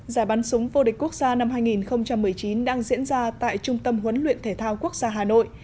giải bắn súng vô địch quốc gia năm hai nghìn một mươi chín đang diễn ra tại trung tâm huấn luyện thể thao quốc gia hà nội